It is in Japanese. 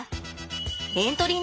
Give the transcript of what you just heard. エントリー